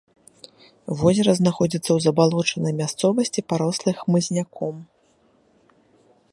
Возера знаходзіцца ў забалочанай мясцовасці, парослай хмызняком.